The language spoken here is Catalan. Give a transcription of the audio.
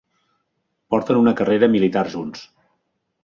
Porten una carrera militar junts.